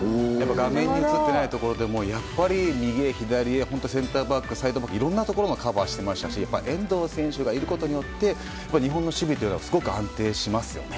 画面に映っていないところでもやっぱり、右へ左へセンターバック、サイドバックといろんなところをカバーしてましたし遠藤選手がいることによって日本の守備がすごく安定しますよね。